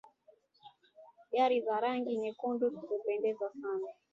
Gari za rangi nyekundu hupendeza sana.